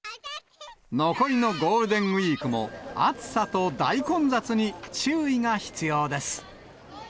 残りのゴールデンウィークも、暑さと大混雑に注意が必要です。